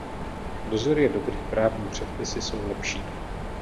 Dozor je dobrý, právní předpisy jsou lepší.